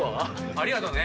ありがとね。